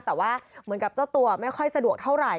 แต่ว่าเหมือนกับเจ้าตัวไม่ค่อยสะดวกเท่าไหร